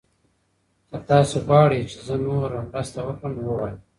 که تاسي غواړئ چې زه نوره مرسته وکړم نو ووایئ.